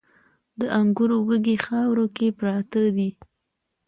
د انګورو وږي خاورو کې پراته دي